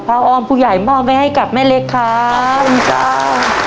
พระออมผู้ใหญ่มอบให้กับแม่เล็กค่าขอบคุณจ้า